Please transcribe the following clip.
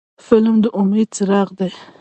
فلم د امید څراغ دی